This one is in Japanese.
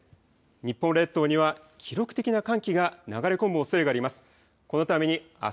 日本列島には記録的な寒気が流れ込むおそれがあります。